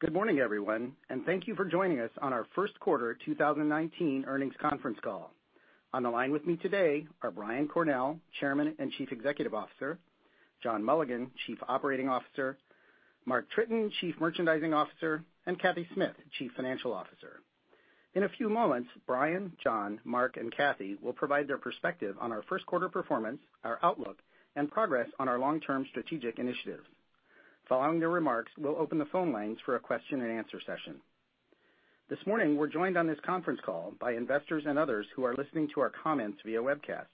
Good morning, everyone, thank you for joining us on our first quarter 2019 earnings conference call. On the line with me today are Brian Cornell, Chairman and Chief Executive Officer, John Mulligan, Chief Operating Officer, Mark Tritton, Chief Merchandising Officer, and Cathy Smith, Chief Financial Officer. In a few moments, Brian, John, Mark, and Cathy will provide their perspective on our first quarter performance, our outlook, and progress on our long-term strategic initiatives. Following their remarks, we will open the phone lines for a question and answer session. This morning, we are joined on this conference call by investors and others who are listening to our comments via webcast.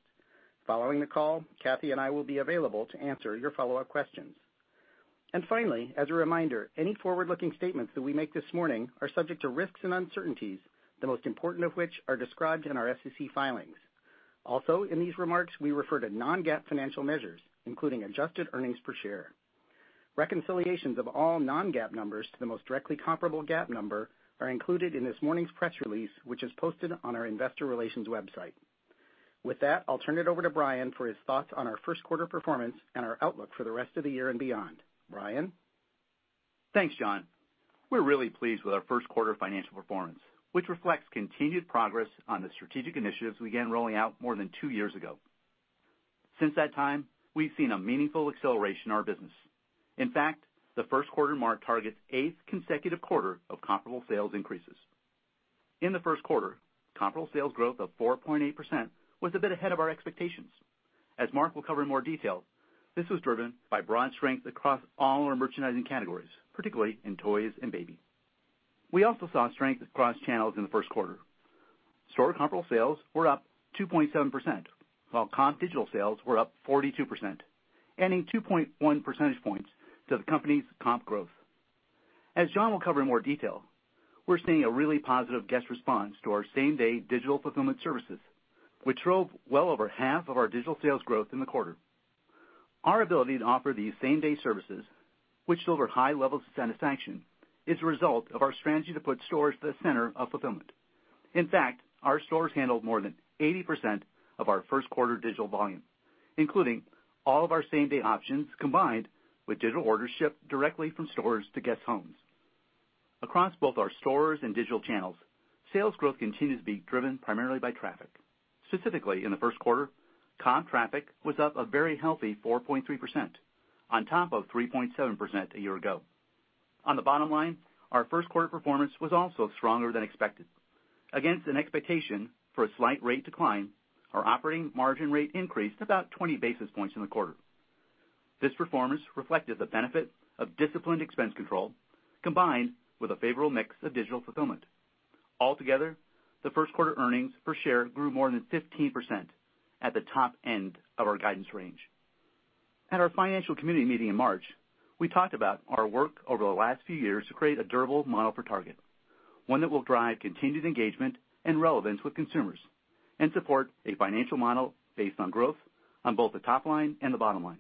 Following the call, Cathy and I will be available to answer your follow-up questions. Finally, as a reminder, any forward-looking statements that we make this morning are subject to risks and uncertainties, the most important of which are described in our SEC filings. Also, in these remarks, we refer to non-GAAP financial measures, including adjusted earnings per share. Reconciliations of all non-GAAP numbers to the most directly comparable GAAP number are included in this morning's press release, which is posted on our investor relations website. With that, I will turn it over to Brian for his thoughts on our first quarter performance and our outlook for the rest of the year and beyond. Brian? Thanks, John. We are really pleased with our first quarter financial performance, which reflects continued progress on the strategic initiatives we began rolling out more than two years ago. Since that time, we have seen a meaningful acceleration in our business. In fact, the first quarter marked Target's eighth consecutive quarter of comparable sales increases. In the first quarter, comparable sales growth of 4.8% was a bit ahead of our expectations. As Mark will cover in more detail, this was driven by broad strength across all our merchandising categories, particularly in toys and baby. We also saw strength across channels in the first quarter. Store comparable sales were up 2.7%, while comp digital sales were up 42%, adding 2.1 percentage points to the company's comp growth. As John will cover in more detail, we are seeing a really positive guest response to our same-day digital fulfillment services, which drove well over half of our digital sales growth in the quarter. Our ability to offer these same-day services, which deliver high levels of satisfaction, is a result of our strategy to put stores at the center of fulfillment. In fact, our stores handled more than 80% of our first quarter digital volume, including all of our same-day options, combined with digital orders shipped directly from stores to guests' homes. Across both our stores and digital channels, sales growth continues to be driven primarily by traffic. Specifically, in the first quarter, comp traffic was up a very healthy 4.3% on top of 3.7% a year ago. On the bottom line, our first quarter performance was also stronger than expected. Against an expectation for a slight rate decline, our operating margin rate increased about 20 basis points in the quarter. This performance reflected the benefit of disciplined expense control combined with a favorable mix of digital fulfillment. Altogether, the first quarter earnings per share grew more than 15% at the top end of our guidance range. At our financial community meeting in March, we talked about our work over the last few years to create a durable model for Target, one that will drive continued engagement and relevance with consumers and support a financial model based on growth on both the top line and the bottom line.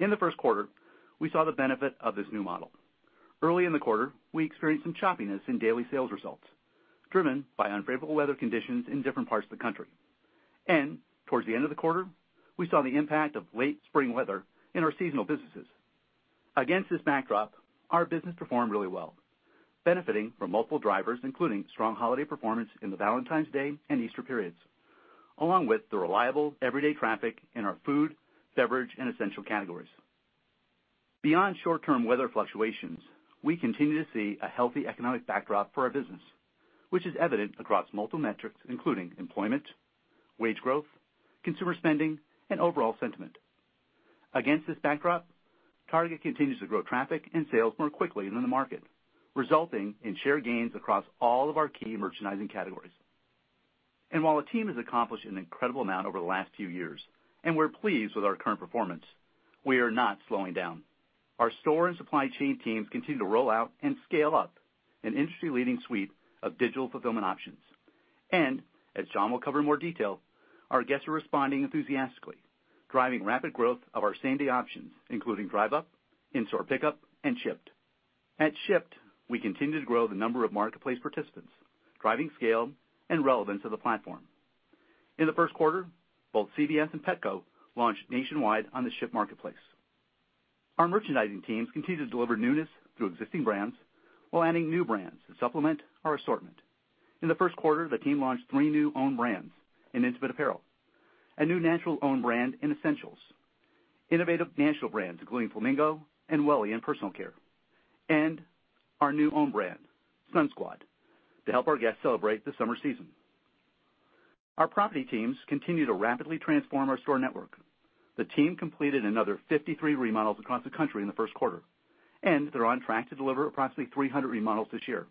In the first quarter, we saw the benefit of this new model. Early in the quarter, we experienced some choppiness in daily sales results, driven by unfavorable weather conditions in different parts of the country. Towards the end of the quarter, we saw the impact of late spring weather in our seasonal businesses. Against this backdrop, our business performed really well, benefiting from multiple drivers, including strong holiday performance in the Valentine's Day and Easter periods, along with the reliable everyday traffic in our food, beverage, and essential categories. Beyond short-term weather fluctuations, we continue to see a healthy economic backdrop for our business, which is evident across multiple metrics, including employment, wage growth, consumer spending, and overall sentiment. Against this backdrop, Target continues to grow traffic and sales more quickly than the market, resulting in share gains across all of our key merchandising categories. While the team has accomplished an incredible amount over the last few years, and we're pleased with our current performance, we are not slowing down. Our store and supply chain teams continue to roll out and scale up an industry-leading suite of digital fulfillment options. As John will cover in more detail, our guests are responding enthusiastically, driving rapid growth of our same-day options, including Drive Up, Order Pickup, and Shipt. At Shipt, we continue to grow the number of marketplace participants, driving scale and relevance of the platform. In the first quarter, both CVS and Petco launched nationwide on the Shipt marketplace. Our merchandising teams continue to deliver newness through existing brands while adding new brands to supplement our assortment. In the first quarter, the team launched three new own brands in intimate apparel, a new natural own brand in essentials, innovative natural brands, including Flamingo and Welly in personal care, and our new own brand, Sun Squad, to help our guests celebrate the summer season. Our property teams continue to rapidly transform our store network. The team completed another 53 remodels across the country in the first quarter, and they're on track to deliver approximately 300 remodels this year.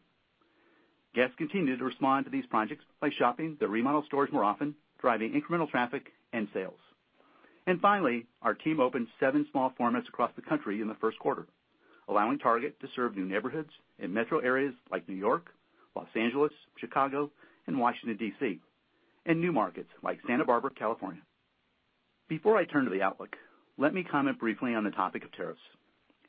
Guests continue to respond to these projects by shopping the remodeled stores more often, driving incremental traffic and sales. Finally, our team opened seven small formats across the country in the first quarter, allowing Target to serve new neighborhoods in metro areas like New York, Los Angeles, Chicago, and Washington, D.C., and new markets like Santa Barbara, California. Before I turn to the outlook, let me comment briefly on the topic of tariffs.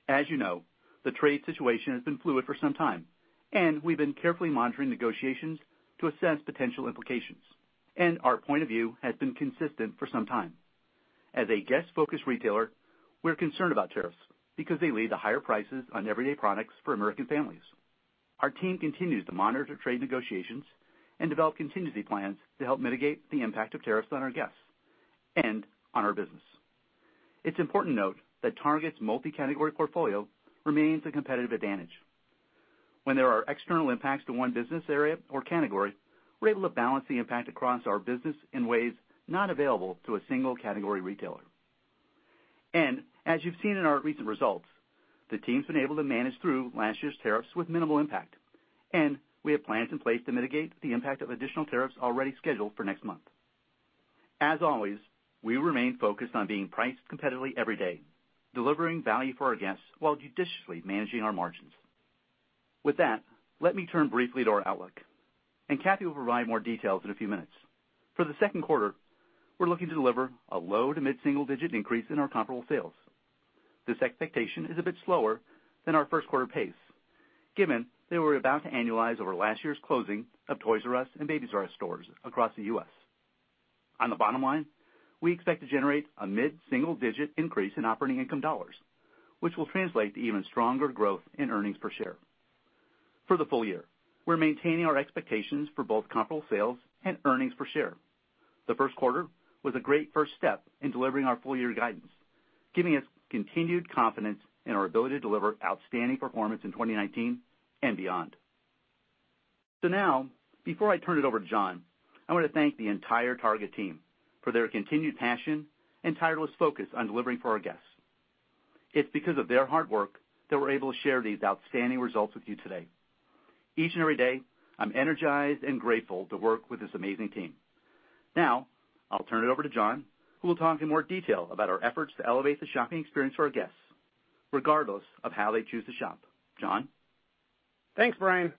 As you know, the trade situation has been fluid for some time, and we've been carefully monitoring negotiations to assess potential implications. Our point of view has been consistent for some time. As a guest-focused retailer, we're concerned about tariffs because they lead to higher prices on everyday products for American families. Our team continues to monitor trade negotiations and develop contingency plans to help mitigate the impact of tariffs on our guests and on our business. It's important to note that Target's multi-category portfolio remains a competitive advantage. When there are external impacts to one business area or category, we're able to balance the impact across our business in ways not available to a single-category retailer. As you've seen in our recent results, the team's been able to manage through last year's tariffs with minimal impact, and we have plans in place to mitigate the impact of additional tariffs already scheduled for next month. As always, we remain focused on being priced competitively every day, delivering value for our guests while judiciously managing our margins. With that, let me turn briefly to our outlook, and Cathy will provide more details in a few minutes. For the second quarter, we're looking to deliver a low to mid-single digit increase in our comparable sales. This expectation is a bit slower than our first quarter pace, given that we're about to annualize over last year's closing of Toys "R" Us and Babies R Us stores across the U.S. On the bottom line, we expect to generate a mid-single digit increase in operating income dollars, which will translate to even stronger growth in earnings per share. For the full year, we're maintaining our expectations for both comparable sales and earnings per share. The first quarter was a great first step in delivering our full year guidance, giving us continued confidence in our ability to deliver outstanding performance in 2019 and beyond. Before I turn it over to John, I want to thank the entire Target team for their continued passion and tireless focus on delivering for our guests. It's because of their hard work that we're able to share these outstanding results with you today. Each and every day, I'm energized and grateful to work with this amazing team. I'll turn it over to John, who will talk in more detail about our efforts to elevate the shopping experience for our guests, regardless of how they choose to shop. John? Thanks, Brian.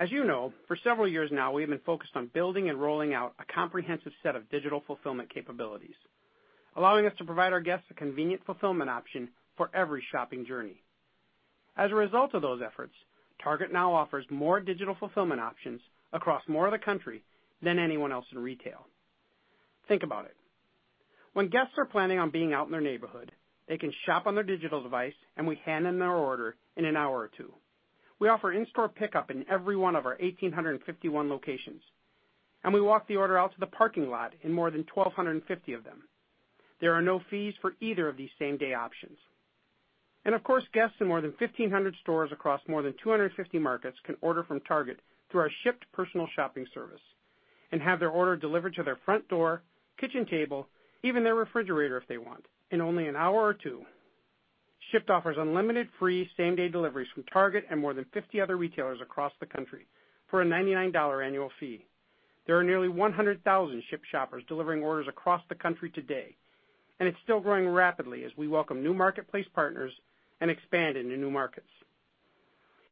As you know, for several years now, we have been focused on building and rolling out a comprehensive set of digital fulfillment capabilities, allowing us to provide our guests a convenient fulfillment option for every shopping journey. As a result of those efforts, Target now offers more digital fulfillment options across more of the country than anyone else in retail. Think about it. When guests are planning on being out in their neighborhood, they can shop on their digital device, and we hand them their order in an hour or two. We offer in-store pickup in every one of our 1,851 locations, and we walk the order out to the parking lot in more than 1,250 of them. There are no fees for either of these same-day options. Of course, guests in more than 1,500 stores across more than 250 markets can order from Target through our Shipt personal shopping service and have their order delivered to their front door, kitchen table, even their refrigerator if they want, in only an hour or two. Shipt offers unlimited free same-day deliveries from Target and more than 50 other retailers across the country for a $99 annual fee. There are nearly 100,000 Shipt Shoppers delivering orders across the country today, and it's still growing rapidly as we welcome new marketplace partners and expand into new markets.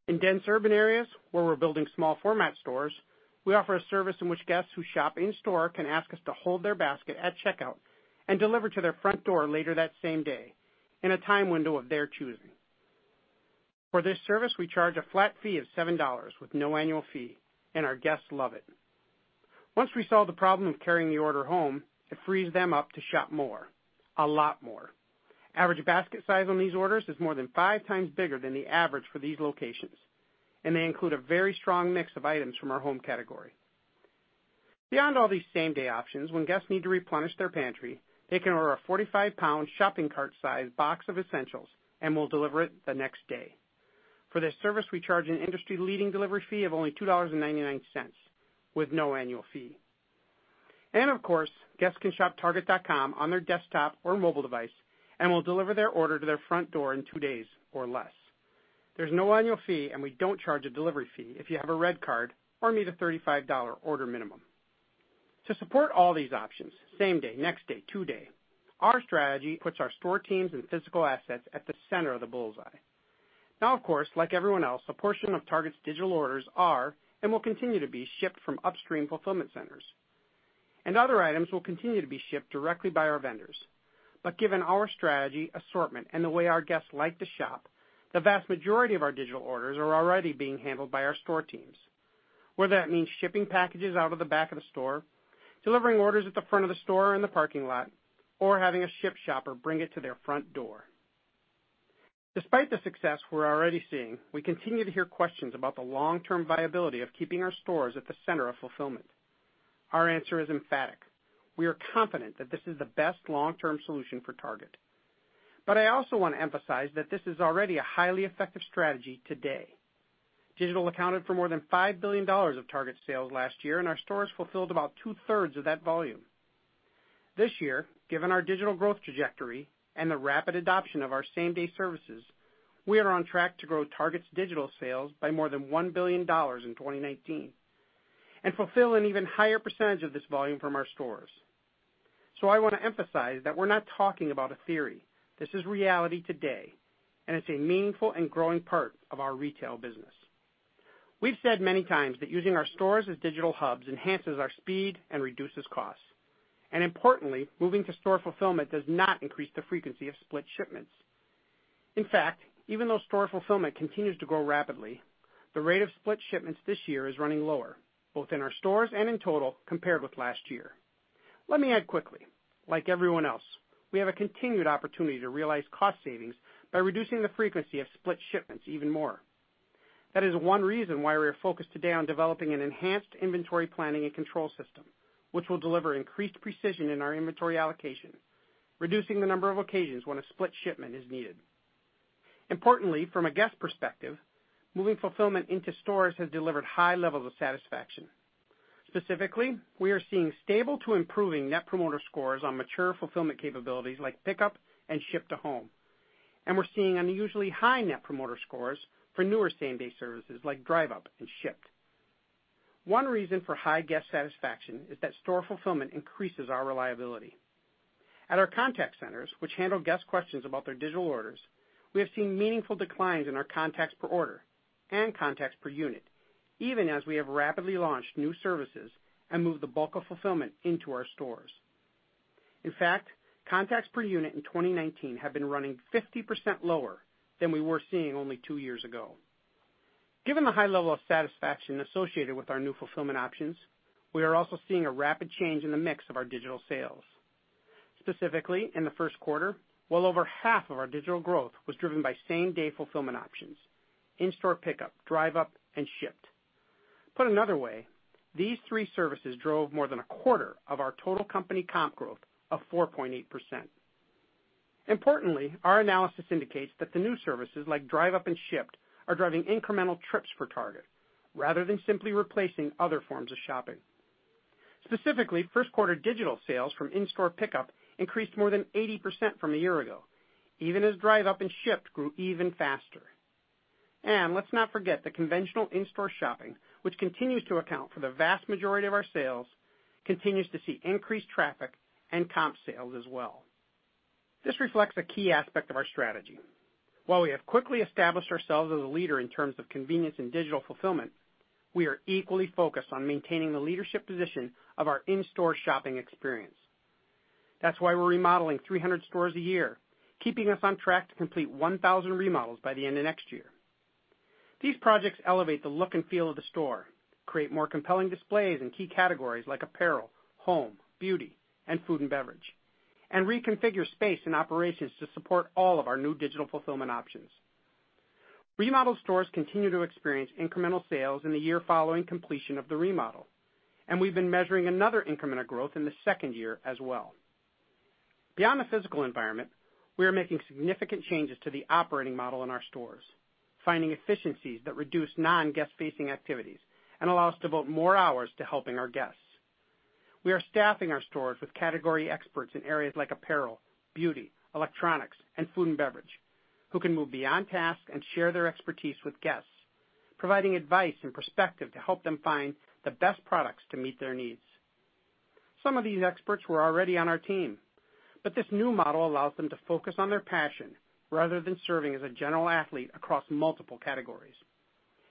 In dense urban areas where we're building small format stores, we offer a service in which guests who shop in store can ask us to hold their basket at checkout and deliver to their front door later that same day in a time window of their choosing. For this service, we charge a flat fee of $7 with no annual fee. Our guests love it. Once we solve the problem of carrying the order home, it frees them up to shop more, a lot more. Average basket size on these orders is more than five times bigger than the average for these locations, and they include a very strong mix of items from our home category. Beyond all these same-day options, when guests need to replenish their pantry, they can order a 45-pound shopping cart size box of essentials, and we'll deliver it the next day. For this service, we charge an industry-leading delivery fee of only $2.99 with no annual fee. Of course, guests can shop Target.com on their desktop or mobile device, and we'll deliver their order to their front door in two days or less. There's no annual fee. We don't charge a delivery fee if you have a RedCard or meet a $35 order minimum. To support all these options, same day, next day, two day, our strategy puts our store teams and physical assets at the center of the bullseye. Of course, like everyone else, a portion of Target's digital orders are and will continue to be shipped from upstream fulfillment centers, and other items will continue to be shipped directly by our vendors. Given our strategy, assortment, and the way our guests like to shop, the vast majority of our digital orders are already being handled by our store teams, whether that means shipping packages out of the back of the store, delivering orders at the front of the store or in the parking lot, or having a Shipt Shopper bring it to their front door. Despite the success we're already seeing, we continue to hear questions about the long-term viability of keeping our stores at the center of fulfillment. Our answer is emphatic. We are confident that this is the best long-term solution for Target. I also want to emphasize that this is already a highly effective strategy today. Digital accounted for more than $5 billion of Target sales last year, and our stores fulfilled about two-thirds of that volume. This year, given our digital growth trajectory and the rapid adoption of our same-day services, we are on track to grow Target's digital sales by more than $1 billion in 2019 and fulfill an even higher percentage of this volume from our stores. I want to emphasize that we're not talking about a theory. This is reality today, and it's a meaningful and growing part of our retail business. We've said many times that using our stores as digital hubs enhances our speed and reduces costs. Importantly, moving to store fulfillment does not increase the frequency of split shipments. In fact, even though store fulfillment continues to grow rapidly, the rate of split shipments this year is running lower, both in our stores and in total compared with last year. Let me add quickly, like everyone else, we have a continued opportunity to realize cost savings by reducing the frequency of split shipments even more. That is one reason why we are focused today on developing an enhanced inventory planning and control system, which will deliver increased precision in our inventory allocation, reducing the number of occasions when a split shipment is needed. Importantly, from a guest perspective, moving fulfillment into stores has delivered high levels of satisfaction. Specifically, we are seeing stable to improving net promoter scores on mature fulfillment capabilities like pickup and ship to home. We're seeing unusually high net promoter scores for newer same-day services like Drive Up and Shipt. One reason for high guest satisfaction is that store fulfillment increases our reliability. At our contact centers, which handle guest questions about their digital orders, we have seen meaningful declines in our contacts per order and contacts per unit, even as we have rapidly launched new services and moved the bulk of fulfillment into our stores. In fact, contacts per unit in 2019 have been running 50% lower than we were seeing only two years ago. Given the high level of satisfaction associated with our new fulfillment options, we are also seeing a rapid change in the mix of our digital sales. Specifically, in the first quarter, well over half of our digital growth was driven by same-day fulfillment options: in-store pickup, Drive Up, and Shipt. Put another way, these three services drove more than a quarter of our total company comp growth of 4.8%. Importantly, our analysis indicates that the new services like Drive Up and Shipt are driving incremental trips for Target rather than simply replacing other forms of shopping. Specifically, first quarter digital sales from in-store pickup increased more than 80% from a year ago, even as Drive Up and Shipt grew even faster. Let's not forget that conventional in-store shopping, which continues to account for the vast majority of our sales, continues to see increased traffic and comp sales as well. This reflects a key aspect of our strategy. While we have quickly established ourselves as a leader in terms of convenience and digital fulfillment, we are equally focused on maintaining the leadership position of our in-store shopping experience. That's why we're remodeling 300 stores a year, keeping us on track to complete 1,000 remodels by the end of next year. These projects elevate the look and feel of the store, create more compelling displays in key categories like apparel, home, beauty, and food and beverage, and reconfigure space and operations to support all of our new digital fulfillment options. Remodeled stores continue to experience incremental sales in the year following completion of the remodel, and we've been measuring another increment of growth in the second year as well. Beyond the physical environment, we are making significant changes to the operating model in our stores, finding efficiencies that reduce non-guest-facing activities and allow us to devote more hours to helping our guests. We are staffing our stores with category experts in areas like apparel, beauty, electronics, and food and beverage, who can move beyond tasks and share their expertise with guests, providing advice and perspective to help them find the best products to meet their needs. Some of these experts were already on our team, but this new model allows them to focus on their passion rather than serving as a general athlete across multiple categories.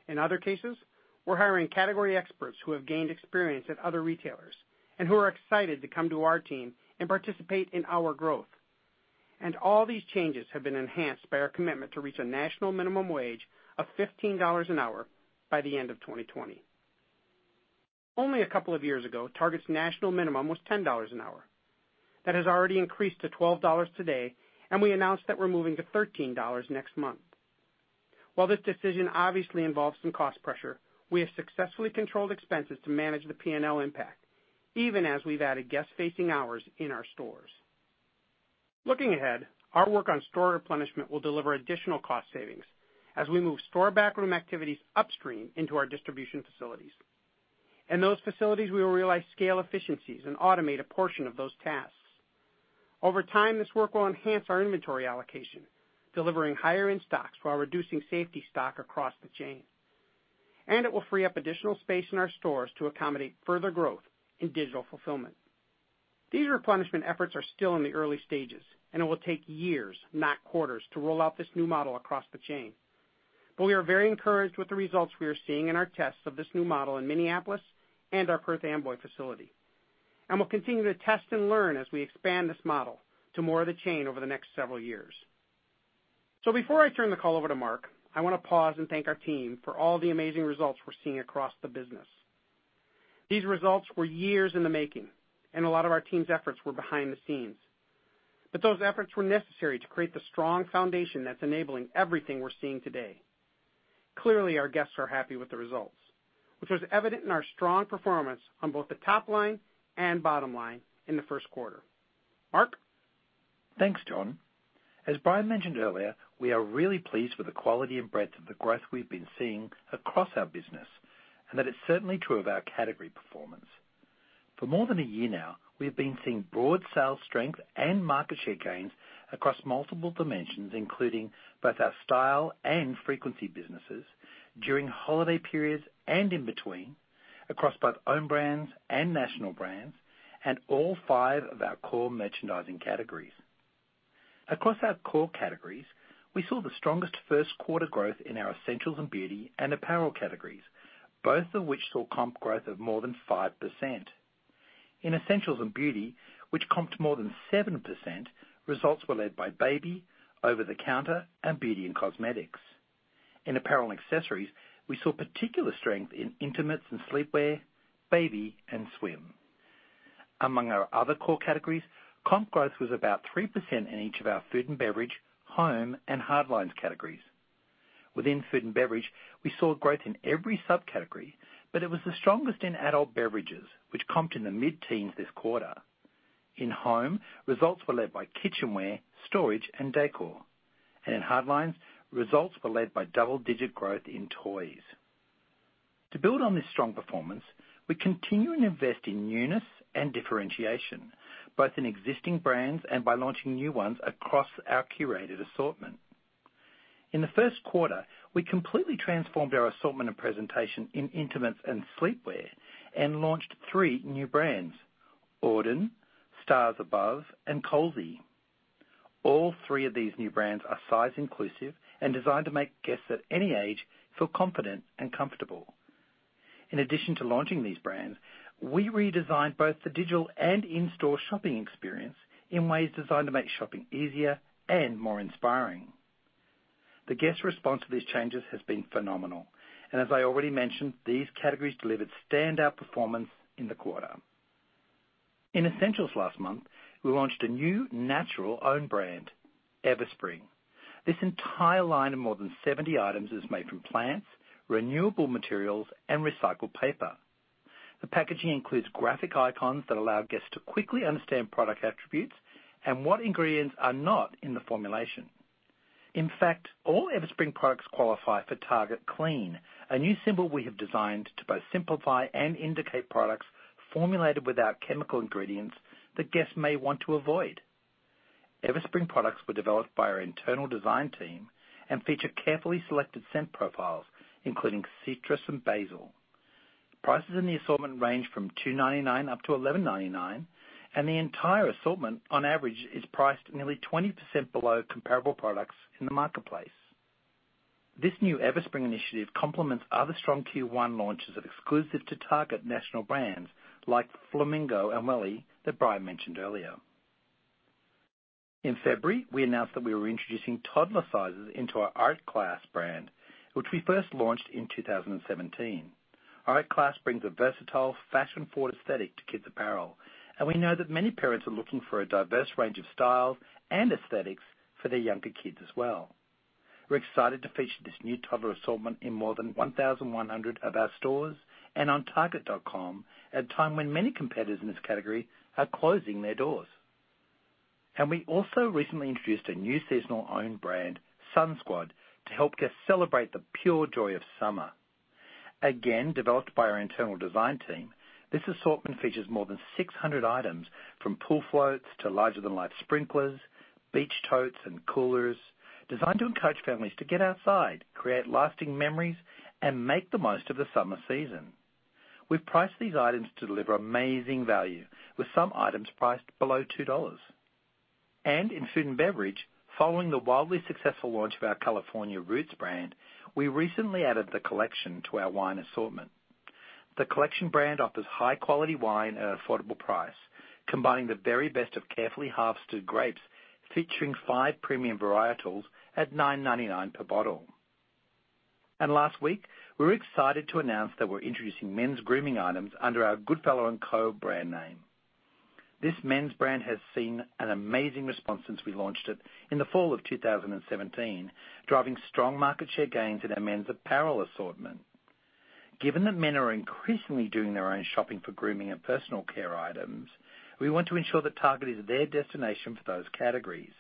In other cases, we are hiring category experts who have gained experience at other retailers and who are excited to come to our team and participate in our growth. All these changes have been enhanced by our commitment to reach a national minimum wage of $15 an hour by the end of 2020. Only a couple of years ago, Target's national minimum was $10 an hour. That has already increased to $12 today. We announced that we are moving to $13 next month. While this decision obviously involves some cost pressure, we have successfully controlled expenses to manage the P&L impact, even as we have added guest-facing hours in our stores. Looking ahead, our work on store replenishment will deliver additional cost savings as we move store backroom activities upstream into our distribution facilities. In those facilities, we will realize scale efficiencies and automate a portion of those tasks. Over time, this work will enhance our inventory allocation, delivering higher in-stocks while reducing safety stock across the chain. It will free up additional space in our stores to accommodate further growth in digital fulfillment. These replenishment efforts are still in the early stages. It will take years, not quarters, to roll out this new model across the chain. We are very encouraged with the results we are seeing in our tests of this new model in Minneapolis and our Perth Amboy facility. We will continue to test and learn as we expand this model to more of the chain over the next several years. Before I turn the call over to Mark, I want to pause and thank our team for all the amazing results we are seeing across the business. These results were years in the making. A lot of our team's efforts were behind the scenes. Those efforts were necessary to create the strong foundation that is enabling everything we are seeing today. Clearly, our guests are happy with the results, which was evident in our strong performance on both the top line and bottom line in the first quarter. Mark? Thanks, John. As Brian mentioned earlier, we are really pleased with the quality and breadth of the growth we've been seeing across our business and that is certainly true of our category performance. For more than a year now, we have been seeing broad sales strength and market share gains across multiple dimensions, including both our style and frequency businesses during holiday periods and in between, across both own brands and national brands, and all five of our core merchandising categories. Across our core categories, we saw the strongest first quarter growth in our essentials and beauty and apparel categories, both of which saw comp growth of more than 5%. In essentials and beauty, which comped more than 7%, results were led by baby, over-the-counter, and beauty and cosmetics. In apparel and accessories, we saw particular strength in intimates and sleepwear, baby, and swim. Among our other core categories, comp growth was about 3% in each of our food and beverage, home, and hardlines categories. Within food and beverage, we saw growth in every subcategory, but it was the strongest in adult beverages, which comped in the mid-teens this quarter. In home, results were led by kitchenware, storage, and decor. In hardlines, results were led by double-digit growth in toys. To build on this strong performance, we continue to invest in newness and differentiation, both in existing brands and by launching new ones across our curated assortment. In the first quarter, we completely transformed our assortment and presentation in intimates and sleepwear, and launched three new brands, Auden, Stars Above, and Colsie. All three of these new brands are size inclusive and designed to make guests at any age feel confident and comfortable. In addition to launching these brands, we redesigned both the digital and in-store shopping experience in ways designed to make shopping easier and more inspiring. The guest response to these changes has been phenomenal. As I already mentioned, these categories delivered standout performance in the quarter. In essentials last month, we launched a new natural own brand, Everspring. This entire line of more than 70 items is made from plants, renewable materials, and recycled paper. The packaging includes graphic icons that allow guests to quickly understand product attributes and what ingredients are not in the formulation. In fact, all Everspring products qualify for Target Clean, a new symbol we have designed to both simplify and indicate products formulated without chemical ingredients that guests may want to avoid. Everspring products were developed by our internal design team and feature carefully selected scent profiles, including citrus and basil. Prices in the assortment range from $2.99 up to $11.99, and the entire assortment, on average, is priced nearly 20% below comparable products in the marketplace. This new Everspring initiative complements other strong Q1 launches of exclusive to Target national brands like Flamingo and Welly that Brian mentioned earlier. In February, we announced that we were introducing toddler sizes into our Art Class brand, which we first launched in 2017. Art Class brings a versatile fashion-forward aesthetic to kids' apparel, we know that many parents are looking for a diverse range of styles and aesthetics for their younger kids as well. We're excited to feature this new toddler assortment in more than 1,100 of our stores and on target.com at a time when many competitors in this category are closing their doors. We also recently introduced a new seasonal own brand, Sun Squad, to help guests celebrate the pure joy of summer. Again, developed by our internal design team, this assortment features more than 600 items from pool floats to larger-than-life sprinklers, beach totes, and coolers designed to encourage families to get outside, create lasting memories, and make the most of the summer season. We've priced these items to deliver amazing value, with some items priced below $2. In food and beverage, following the wildly successful launch of our California Roots brand, we recently added The Collection to our wine assortment. The Collection brand offers high-quality wine at an affordable price, combining the very best of carefully harvested grapes, featuring five premium varietals at $9.99 per bottle. Last week, we were excited to announce that we're introducing men's grooming items under our Goodfellow & Co. brand name. This men's brand has seen an amazing response since we launched it in the fall of 2017, driving strong market share gains in our men's apparel assortment. Given that men are increasingly doing their own shopping for grooming and personal care items, we want to ensure that Target is their destination for those categories.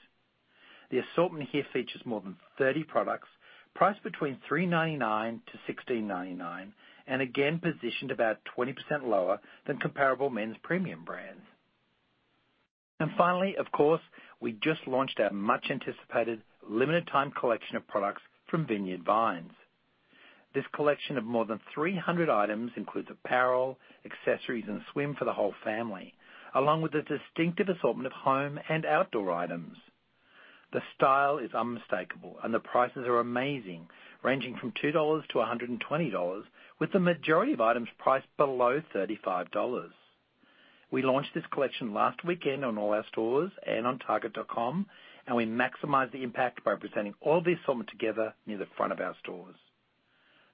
The assortment here features more than 30 products priced between $3.99-$16.99, again positioned about 20% lower than comparable men's premium brands. Finally, of course, we just launched our much-anticipated limited-time collection of products from Vineyard Vines. This collection of more than 300 items includes apparel, accessories, and swim for the whole family, along with a distinctive assortment of home and outdoor items. The style is unmistakable and the prices are amazing, ranging from $2-$120, with the majority of items priced below $35. We launched this collection last weekend on all our stores and on target.com. We maximized the impact by presenting all the assortment together near the front of our stores.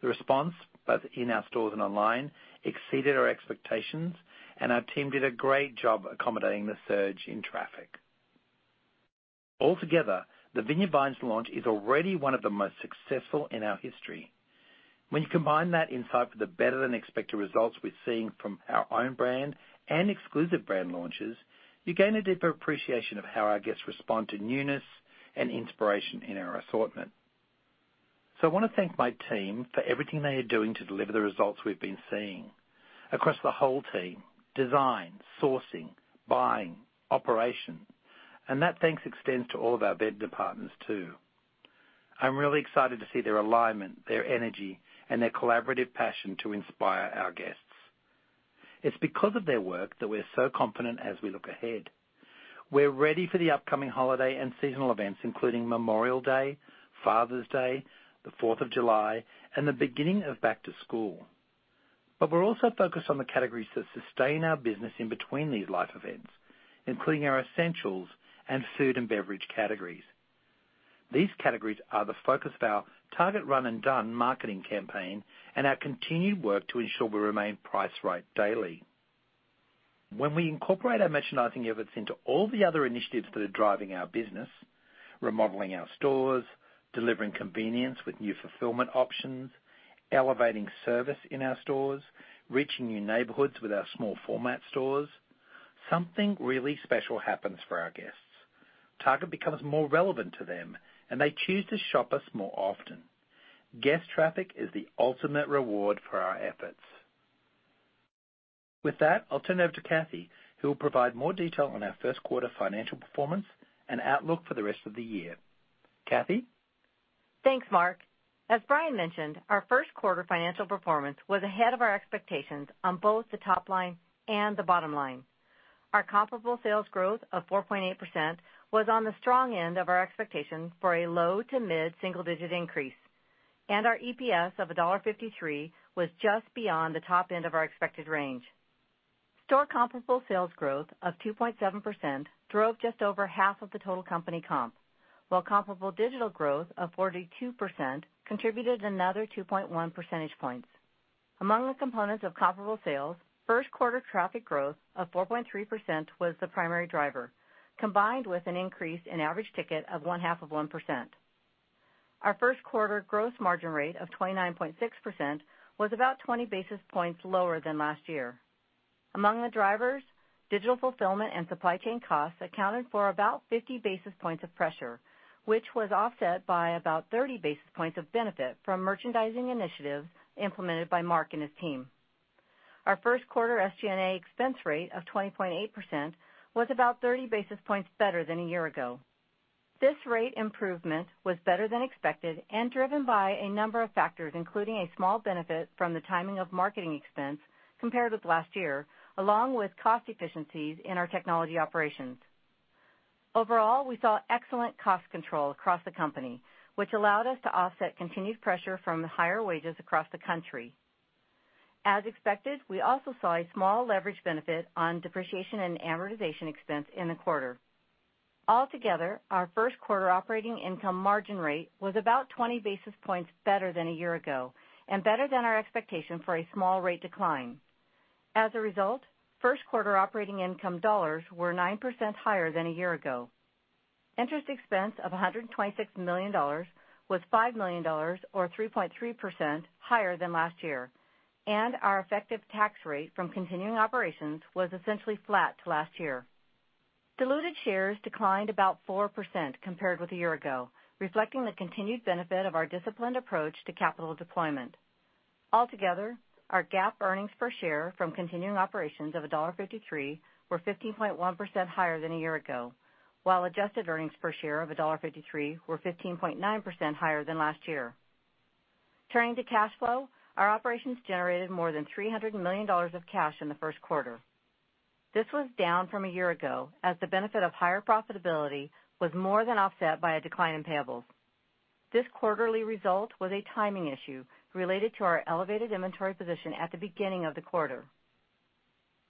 The response, both in our stores and online, exceeded our expectations, and our team did a great job accommodating the surge in traffic. Altogether, the Vineyard Vines launch is already one of the most successful in our history. When you combine that insight with the better-than-expected results we're seeing from our own brand and exclusive brand launches, you gain a deeper appreciation of how our guests respond to newness and inspiration in our assortment. I want to thank my team for everything they are doing to deliver the results we've been seeing across the whole team, design, sourcing, buying, operations. That thanks extends to all of our vend departments too. I'm really excited to see their alignment, their energy, and their collaborative passion to inspire our guests. It's because of their work that we're so confident as we look ahead. We're ready for the upcoming holiday and seasonal events, including Memorial Day, Father's Day, the Fourth of July, and the beginning of back to school. We're also focused on the categories that sustain our business in between these life events, including our essentials and food and beverage categories. These categories are the focus of our Target Run & Done marketing campaign and our continued work to ensure we remain priced right daily. We incorporate our merchandising efforts into all the other initiatives that are driving our business, remodeling our stores, delivering convenience with new fulfillment options, elevating service in our stores, reaching new neighborhoods with our small format stores, something really special happens for our guests. Target becomes more relevant to them. They choose to shop us more often. Guest traffic is the ultimate reward for our efforts. With that, I'll turn it over to Cathy, who will provide more detail on our first quarter financial performance and outlook for the rest of the year. Cathy? Thanks, Mark. As Brian mentioned, our first quarter financial performance was ahead of our expectations on both the top line and the bottom line. Our comparable sales growth of 4.8% was on the strong end of our expectations for a low to mid-single-digit increase. Our EPS of $1.53 was just beyond the top end of our expected range. Store comparable sales growth of 2.7% drove just over half of the total company comp, while comparable digital growth of 42% contributed another 2.1 percentage points. Among the components of comparable sales, first quarter traffic growth of 4.3% was the primary driver, combined with an increase in average ticket of one half of 1%. Our first quarter gross margin rate of 29.6% was about 20 basis points lower than last year. Among the drivers, digital fulfillment and supply chain costs accounted for about 50 basis points of pressure, which was offset by about 30 basis points of benefit from merchandising initiatives implemented by Mark and his team. Our first quarter SG&A expense rate of 20.8% was about 30 basis points better than a year ago. This rate improvement was better than expected and driven by a number of factors, including a small benefit from the timing of marketing expense compared with last year, along with cost efficiencies in our technology operations. Overall, we saw excellent cost control across the company, which allowed us to offset continued pressure from higher wages across the country. As expected, we also saw a small leverage benefit on depreciation and amortization expense in the quarter. All together, our first quarter operating income margin rate was about 20 basis points better than a year ago, better than our expectation for a small rate decline. As a result, first quarter operating income dollars were 9% higher than a year ago. Interest expense of $126 million was $5 million, or 3.3% higher than last year. Our effective tax rate from continuing operations was essentially flat to last year. Diluted shares declined about 4% compared with a year ago, reflecting the continued benefit of our disciplined approach to capital deployment. All together, our GAAP earnings per share from continuing operations of $1.53 were 15.1% higher than a year ago, while adjusted earnings per share of $1.53 were 15.9% higher than last year. Turning to cash flow, our operations generated more than $300 million of cash in the first quarter. This was down from a year ago, as the benefit of higher profitability was more than offset by a decline in payables. This quarterly result was a timing issue related to our elevated inventory position at the beginning of the quarter.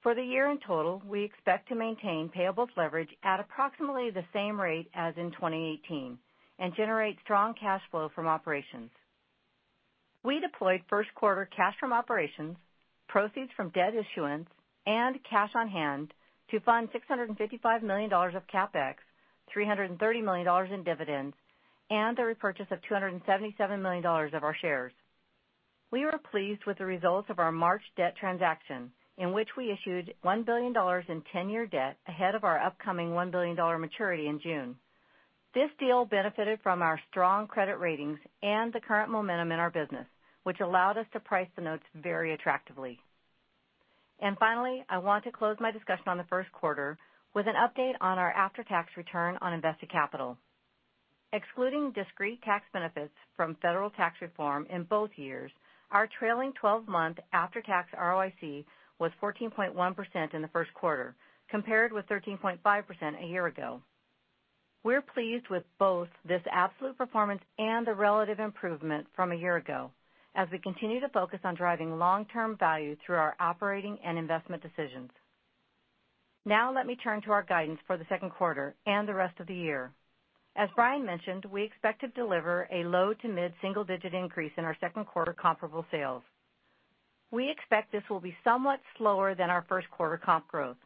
For the year in total, we expect to maintain payables leverage at approximately the same rate as in 2018 and generate strong cash flow from operations. We deployed first quarter cash from operations, proceeds from debt issuance, and cash on hand to fund $655 million of CapEx, $330 million in dividends, and the repurchase of $277 million of our shares. We were pleased with the results of our March debt transaction, in which we issued $1 billion in 10-year debt ahead of our upcoming $1 billion maturity in June. This deal benefited from our strong credit ratings and the current momentum in our business, which allowed us to price the notes very attractively. Finally, I want to close my discussion on the first quarter with an update on our after-tax return on invested capital. Excluding discrete tax benefits from federal tax reform in both years, our trailing 12-month after-tax ROIC was 14.1% in the first quarter, compared with 13.5% a year ago. We're pleased with both this absolute performance and the relative improvement from a year ago, as we continue to focus on driving long-term value through our operating and investment decisions. Let me turn to our guidance for the second quarter and the rest of the year. As Brian mentioned, we expect to deliver a low to mid-single-digit increase in our second quarter comparable sales. We expect this will be somewhat slower than our first quarter comp growth,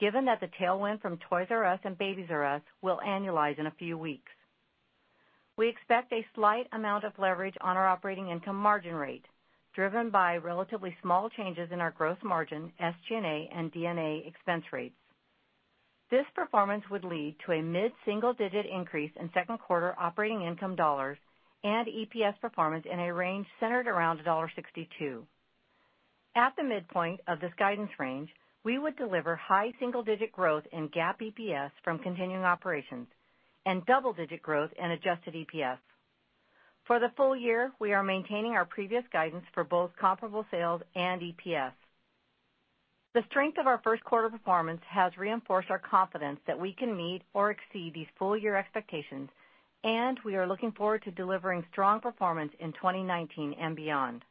given that the tailwind from Toys "R" Us and Babies R Us will annualize in a few weeks. We expect a slight amount of leverage on our operating income margin rate, driven by relatively small changes in our gross margin, SG&A, and D&A expense rates. This performance would lead to a mid-single-digit increase in second quarter operating income dollars and EPS performance in a range centered around $1.62. At the midpoint of this guidance range, we would deliver high single-digit growth in GAAP EPS from continuing operations and double-digit growth in adjusted EPS. For the full year, we are maintaining our previous guidance for both comparable sales and EPS. The strength of our first quarter performance has reinforced our confidence that we can meet or exceed these full-year expectations, we are looking forward to delivering strong performance in 2019 and beyond.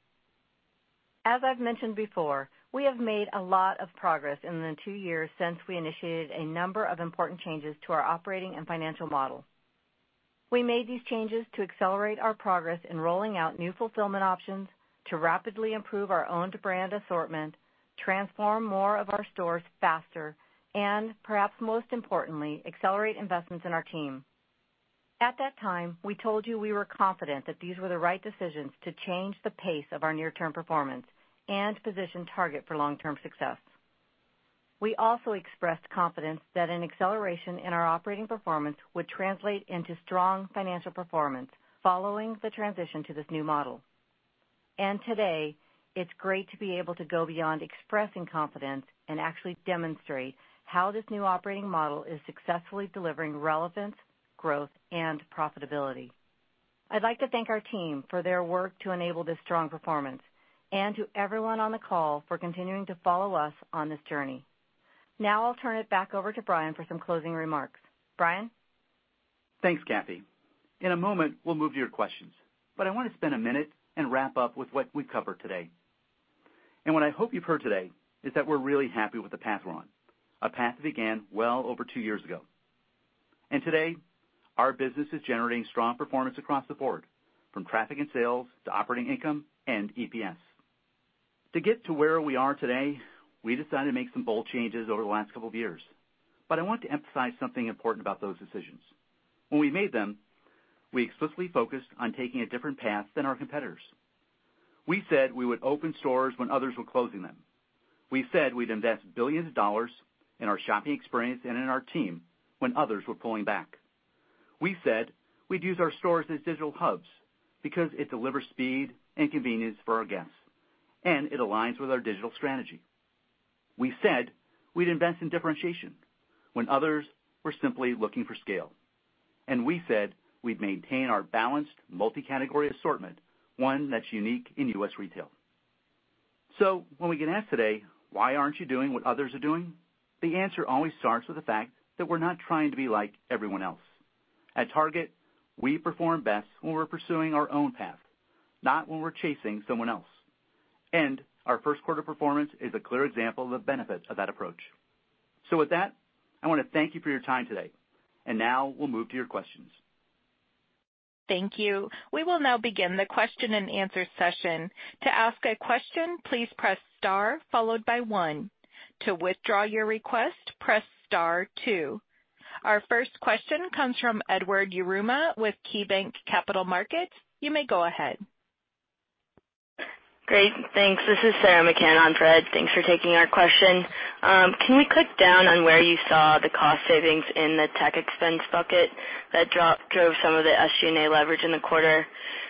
As I've mentioned before, we have made a lot of progress in the two years since we initiated a number of important changes to our operating and financial model. We made these changes to accelerate our progress in rolling out new fulfillment options to rapidly improve our own brand assortment, transform more of our stores faster, and perhaps most importantly, accelerate investments in our team. At that time, we told you we were confident that these were the right decisions to change the pace of our near-term performance and position Target for long-term success. We also expressed confidence that an acceleration in our operating performance would translate into strong financial performance following the transition to this new model. Today, it's great to be able to go beyond expressing confidence and actually demonstrate how this new operating model is successfully delivering relevance, growth, and profitability. I'd like to thank our team for their work to enable this strong performance and to everyone on the call for continuing to follow us on this journey. Now I'll turn it back over to Brian for some closing remarks. Brian? Thanks, Cathy. In a moment, we'll move to your questions, but I want to spend a minute and wrap up with what we've covered today. What I hope you've heard today is that we're really happy with the path we're on, a path that began well over two years ago. Today, our business is generating strong performance across the board, from traffic and sales to operating income and EPS. To get to where we are today, we decided to make some bold changes over the last couple of years. I want to emphasize something important about those decisions. When we made them, we explicitly focused on taking a different path than our competitors. We said we would open stores when others were closing them. We said we'd invest billions of dollars in our shopping experience and in our team when others were pulling back. We said we'd use our stores as digital hubs because it delivers speed and convenience for our guests, and it aligns with our digital strategy. We said we'd invest in differentiation when others were simply looking for scale. We said we'd maintain our balanced multi-category assortment, one that's unique in U.S. retail. When we get asked today, "Why aren't you doing what others are doing?" The answer always starts with the fact that we're not trying to be like everyone else. At Target, we perform best when we're pursuing our own path, not when we're chasing someone else. Our first quarter performance is a clear example of the benefits of that approach. With that, I want to thank you for your time today, and now we'll move to your questions. Thank you. We will now begin the question and answer session. To ask a question, please press star followed by one. To withdraw your request, press star two. Our first question comes from Edward Yruma with KeyBanc Capital Markets. You may go ahead. Great. Thanks. This is Sarah McCann on for Ed. Thanks for taking our question. Can you click down on where you saw the cost savings in the tech expense bucket that drove some of the SG&A leverage in the quarter?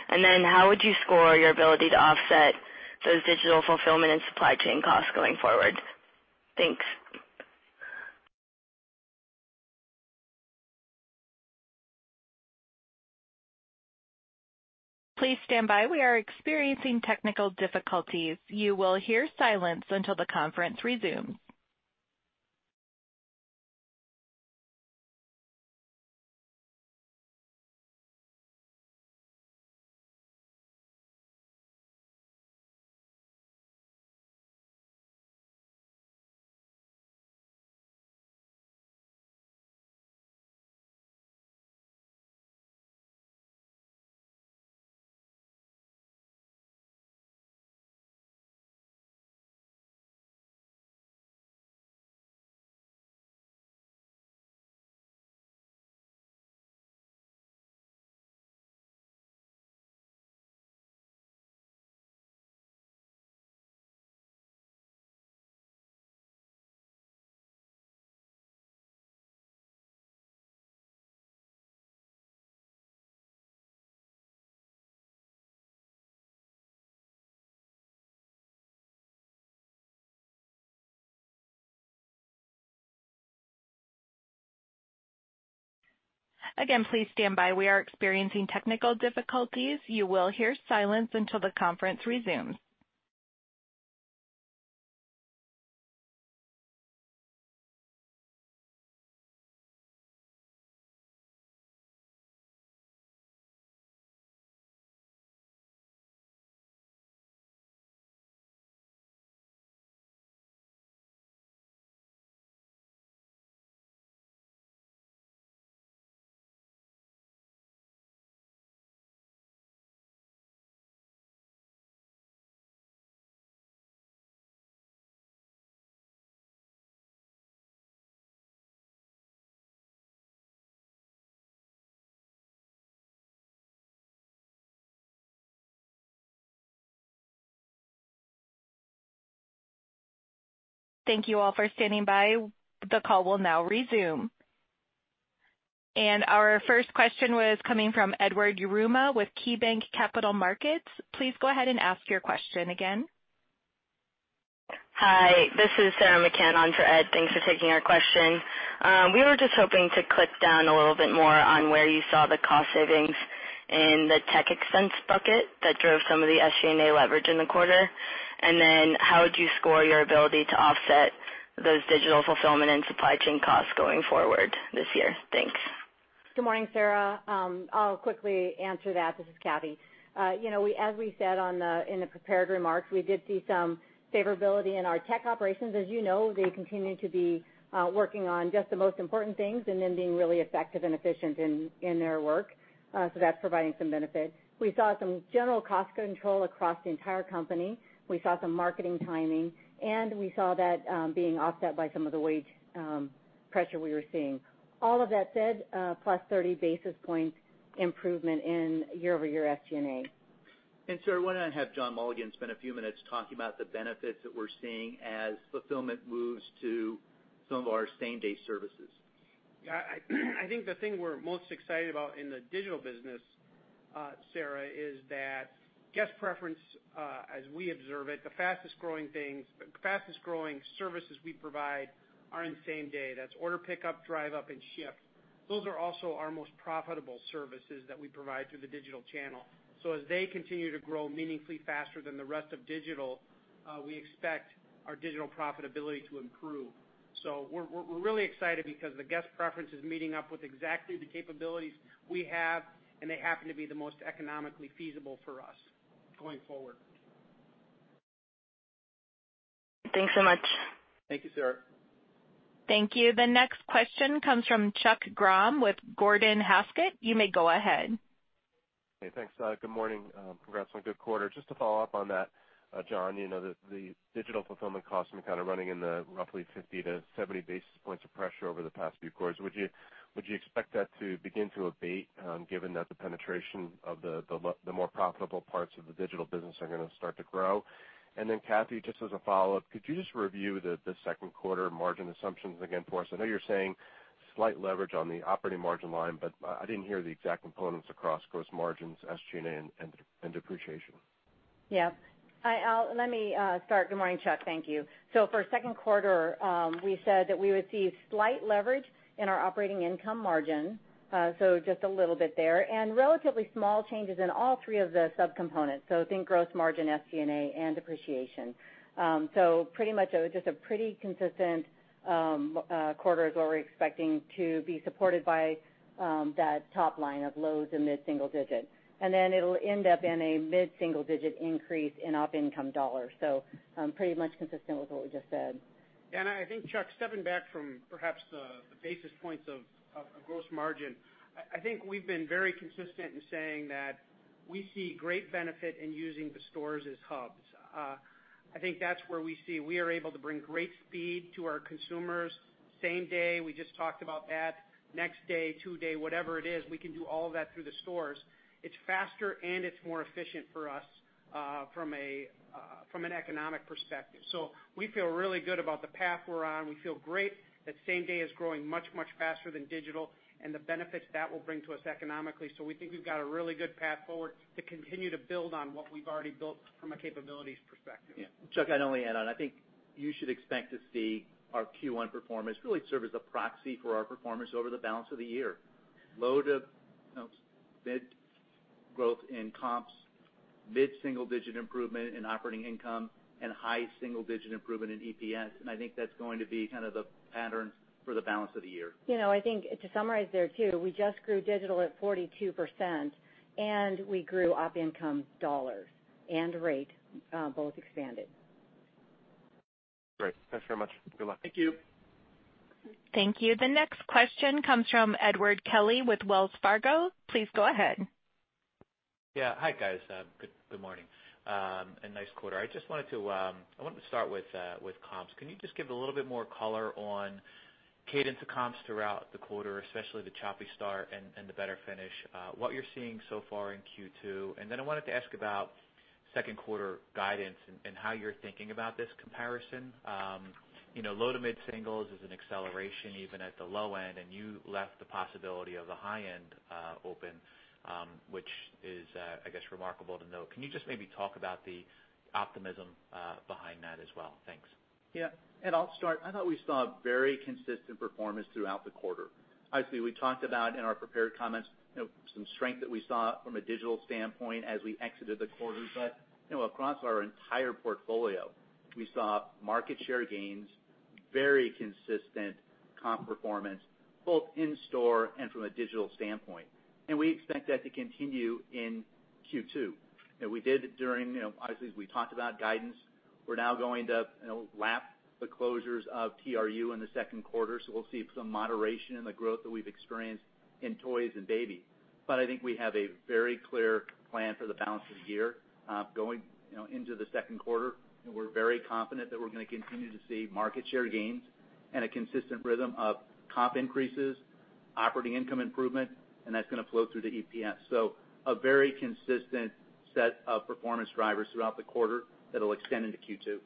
Then how would you score your ability to offset those digital fulfillment and supply chain costs going forward? Thanks. Please stand by. We are experiencing technical difficulties. You will hear silence until the conference resumes. Again, please stand by. We are experiencing technical difficulties. You will hear silence until the conference resumes. Thank you all for standing by. The call will now resume. Our first question was coming from Edward Yruma with KeyBanc Capital Markets. Please go ahead and ask your question again. Hi, this is Sarah McCann on for Ed. Thanks for taking our question. We were just hoping to click down a little bit more on where you saw the cost savings in the tech expense bucket that drove some of the SG&A leverage in the quarter. Then how would you score your ability to offset those digital fulfillment and supply chain costs going forward this year? Thanks. Good morning, Sarah. I'll quickly answer that. This is Cathy. As we said in the prepared remarks, we did see some favorability in our tech operations. As you know, they continue to be working on just the most important things and then being really effective and efficient in their work. That's providing some benefit. We saw some general cost control across the entire company. We saw some marketing timing, and we saw that being offset by some of the wage pressure we were seeing. All of that said, plus 30 basis points improvement in year-over-year SG&A. Sarah, why don't I have John Mulligan spend a few minutes talking about the benefits that we're seeing as fulfillment moves to some of our same-day services. I think the thing we're most excited about in the digital business, Sarah, is that guest preference, as we observe it, the fastest-growing services we provide are in same-day. That's Order Pickup, Drive Up, and Shipt. Those are also our most profitable services that we provide through the digital channel. As they continue to grow meaningfully faster than the rest of digital, we expect our digital profitability to improve. We're really excited because the guest preference is meeting up with exactly the capabilities we have, and they happen to be the most economically feasible for us going forward. Thanks so much. Thank you, Sarah. Thank you. The next question comes from Chuck Grom with Gordon Haskett. You may go ahead. Hey, thanks. Good morning. Congrats on a good quarter. Just to follow up on that, John, the digital fulfillment costs have been kind of running in the roughly 50 to 70 basis points of pressure over the past few quarters. Would you expect that to begin to abate, given that the penetration of the more profitable parts of the digital business are going to start to grow? Then Cathy, just as a follow-up, could you just review the second quarter margin assumptions again for us? I know you're saying slight leverage on the operating margin line, but I didn't hear the exact components across gross margins, SG&A, and depreciation. Yeah. Let me start. Good morning, Chuck. Thank you. For second quarter, we said that we would see slight leverage in our operating income margin, just a little bit there, and relatively small changes in all three of the subcomponents, think gross margin, SG&A, and depreciation. Pretty much just a pretty consistent quarter is what we're expecting to be supported by that top line of lows in mid-single digit. Then it'll end up in a mid-single digit increase in op income dollars. Pretty much consistent with what we just said. I think, Chuck, stepping back from perhaps the basis points of gross margin, I think we've been very consistent in saying that we see great benefit in using the stores as hubs. I think that's where we see we are able to bring great speed to our consumers, same day, we just talked about that, next day, two day, whatever it is, we can do all that through the stores. It's faster and it's more efficient for us from an economic perspective. We feel really good about the path we're on. We feel great that same day is growing much, much faster than digital and the benefits that will bring to us economically. We think we've got a really good path forward to continue to build on what we've already built from a capabilities perspective. Yeah. Chuck, I'd only add on, I think you should expect to see our Q1 performance really serve as a proxy for our performance over the balance of the year. Low to mid growth in comps, mid-single digit improvement in operating income and high single digit improvement in EPS. I think that's going to be kind of the pattern for the balance of the year. I think to summarize there, too, we just grew digital at 42%. We grew op income dollars and rate, both expanded. Great. Thanks very much. Good luck. Thank you. Thank you. The next question comes from Edward Kelly with Wells Fargo. Please go ahead. Yeah. Hi, guys. Good morning, nice quarter. I wanted to start with comps. Can you just give a little bit more color on cadence of comps throughout the quarter, especially the choppy start and the better finish, what you're seeing so far in Q2? I wanted to ask about second quarter guidance and how you're thinking about this comparison. Low to mid singles is an acceleration even at the low end, and you left the possibility of the high end open, which is, I guess, remarkable to note. Can you just maybe talk about the optimism behind that as well? Thanks. Yeah. Ed, I'll start. I thought we saw very consistent performance throughout the quarter. Obviously, we talked about in our prepared comments some strength that we saw from a digital standpoint as we exited the quarter. Across our entire portfolio, we saw market share gains, very consistent comp performance, both in store and from a digital standpoint. We expect that to continue in Q2. Obviously, as we talked about guidance, we're now going to lap the closures of TRU in the second quarter, so we'll see some moderation in the growth that we've experienced in toys and baby. I think we have a very clear plan for the balance of the year going into the second quarter. We're very confident that we're going to continue to see market share gains and a consistent rhythm of comp increases, operating income improvement, and that's going to flow through to EPS. A very consistent set of performance drivers throughout the quarter that'll extend into Q2.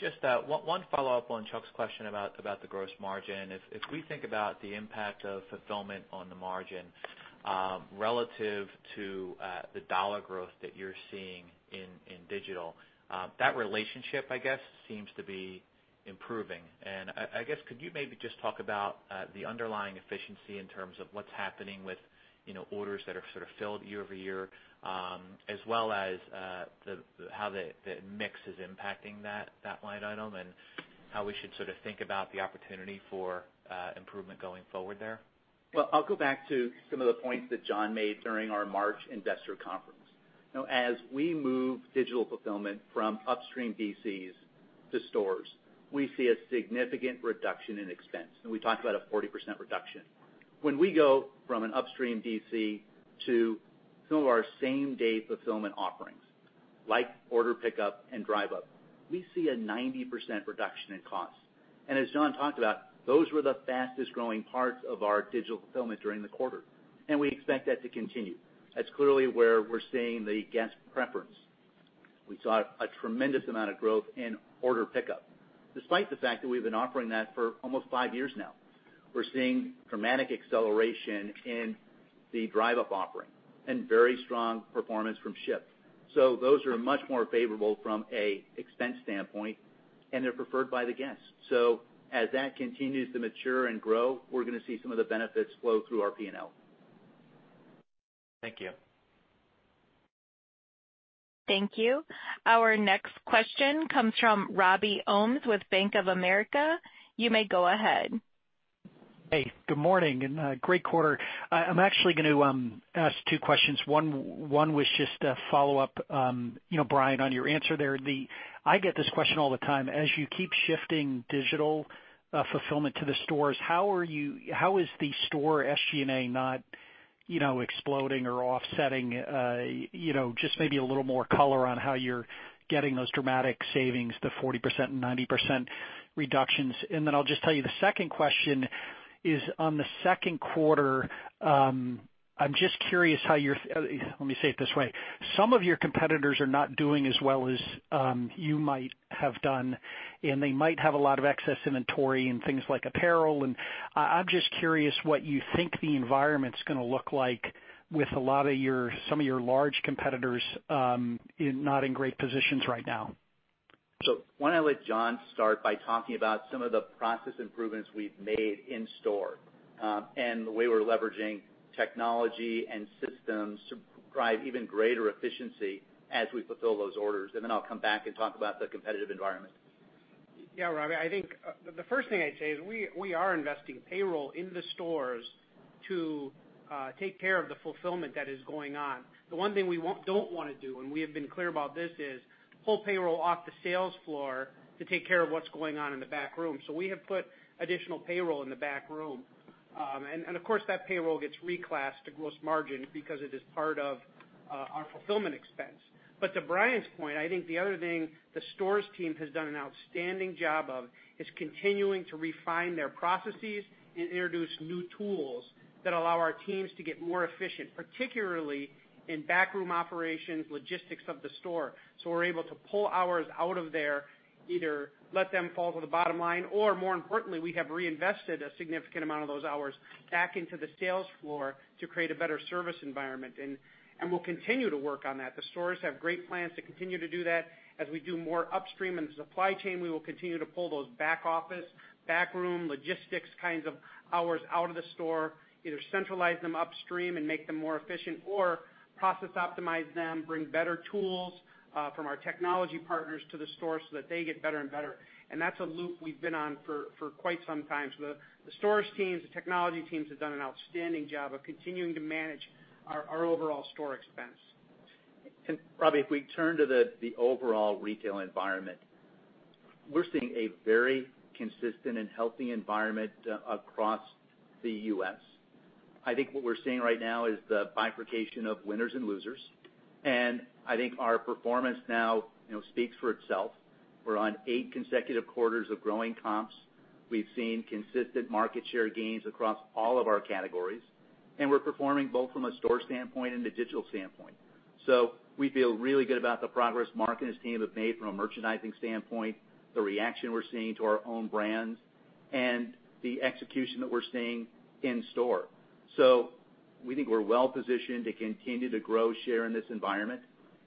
Just one follow-up on Chuck's question about the gross margin. If we think about the impact of fulfillment on the margin relative to the dollar growth that you're seeing in digital, that relationship, I guess, seems to be improving. I guess could you maybe just talk about the underlying efficiency in terms of what's happening with orders that are sort of filled year-over-year, as well as how the mix is impacting that line item and how we should sort of think about the opportunity for improvement going forward there? I'll go back to some of the points that John made during our March investor conference. As we move digital fulfillment from upstream DCs to stores, we see a significant reduction in expense, and we talked about a 40% reduction. When we go from an upstream DC to some of our same-day fulfillment offerings, like Order Pickup and Drive Up, we see a 90% reduction in cost. As John talked about, those were the fastest-growing parts of our digital fulfillment during the quarter, and we expect that to continue. That's clearly where we're seeing the guest preference. We saw a tremendous amount of growth in Order Pickup, despite the fact that we've been offering that for almost five years now. We're seeing dramatic acceleration in the Drive Up offering and very strong performance from Shipt. Those are much more favorable from an expense standpoint, and they're preferred by the guests. As that continues to mature and grow, we're going to see some of the benefits flow through our P&L. Thank you. Thank you. Our next question comes from Robbie Ohmes with Bank of America. You may go ahead. Hey, good morning, and great quarter. I'm actually going to ask two questions. One was just a follow-up, Brian, on your answer there. I get this question all the time. As you keep shifting digital fulfillment to the stores, how is the store SG&A not exploding or offsetting? Just maybe a little more color on how you're getting those dramatic savings, the 40% and 90% reductions. I'll just tell you, the second question is on the second quarter. Let me say it this way. Some of your competitors are not doing as well as you might have done, and they might have a lot of excess inventory in things like apparel, and I'm just curious what you think the environment's going to look like with some of your large competitors not in great positions right now. Why don't I let John start by talking about some of the process improvements we've made in store and the way we're leveraging technology and systems to drive even greater efficiency as we fulfill those orders, and then I'll come back and talk about the competitive environment. Yeah, Robbie, I think the first thing I'd say is we are investing payroll in the stores to take care of the fulfillment that is going on. The one thing we don't want to do, and we have been clear about this, is pull payroll off the sales floor to take care of what's going on in the back room. We have put additional payroll in the back room. Of course, that payroll gets reclassed to gross margin because it is part of our fulfillment expense. To Brian's point, I think the other thing the stores team has done an outstanding job of is continuing to refine their processes and introduce new tools that allow our teams to get more efficient, particularly in back-room operations, logistics of the store. We're able to pull hours out of there, either let them fall to the bottom line, or more importantly, we have reinvested a significant amount of those hours back into the sales floor to create a better service environment. We'll continue to work on that. The stores have great plans to continue to do that. As we do more upstream in the supply chain, we will continue to pull those back office, back room logistics kinds of hours out of the store, either centralize them upstream and make them more efficient or process optimize them, bring better tools from our technology partners to the store so that they get better and better. That's a loop we've been on for quite some time. The stores teams, the technology teams have done an outstanding job of continuing to manage our overall store expense. Robbie, if we turn to the overall retail environment, we're seeing a very consistent and healthy environment across the U.S. I think what we're seeing right now is the bifurcation of winners and losers. I think our performance now speaks for itself. We're on 8 consecutive quarters of growing comps. We've seen consistent market share gains across all of our categories, and we're performing both from a store standpoint and a digital standpoint. We feel really good about the progress Mark and his team have made from a merchandising standpoint, the reaction we're seeing to our own brands, and the execution that we're seeing in store. We think we're well-positioned to continue to grow share in this environment.